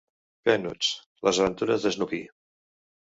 Peanuts: Les aventures d'Snoopy.